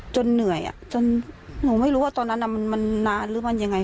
เหนื่อยจนหนูไม่รู้ว่าตอนนั้นมันนานหรือมันยังไง